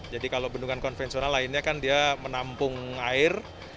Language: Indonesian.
jadi kalau bendungan konvensional lainnya kan dia menampung air